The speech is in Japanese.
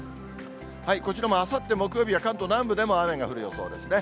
こちらもあさって木曜日は、関東南部でも雨が降る予想ですね。